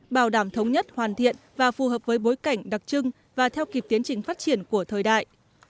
bảo đảm thống nhất hoàn thiện và phù hợp với bối cảnh đặc trưng và theo kịp tiến trình phát triển của thời đại